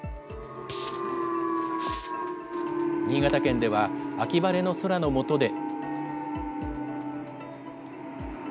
新潟県では、秋晴れの空のもとで。